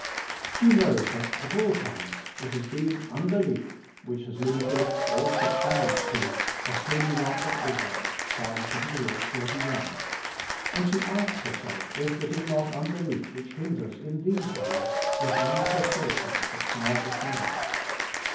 She knows that at all times it has been uubelief which has limited (or set boa ads to) the Holy One Of Israel (Ps. llsviii. 41), anil she asks herself if it is nol unbelief which hinders in these days, this manifestation of Ihe power of God.